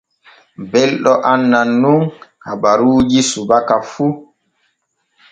Belɗo anŋan nun habaruuji subaka fu.